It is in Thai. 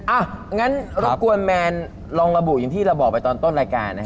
อ่ะงั้นรบกวนแมนลองระบุอย่างที่เราบอกไปตอนต้นรายการนะฮะ